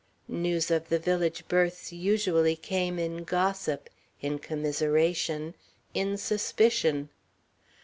News of the village births usually came in gossip, in commiseration, in suspicion.